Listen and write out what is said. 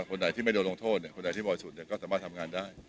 คนไหนที่ไม่โดนลงโทษเนี่ยคนไหนที่บ่อยสุดเนี่ยก็สามารถทำงานได้